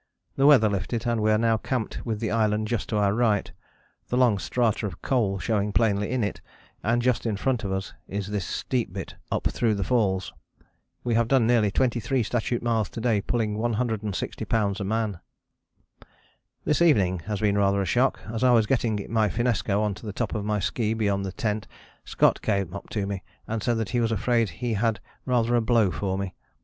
The weather lifted, and we are now camped with the island just to our right, the long strata of coal showing plainly in it, and just in front of us is this steep bit up through the falls. We have done nearly 23 statute miles to day, pulling 160 lbs. a man. "This evening has been rather a shock. As I was getting my finnesko on to the top of my ski beyond the tent Scott came up to me, and said that he was afraid he had rather a blow for me.